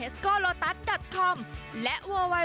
ส่งที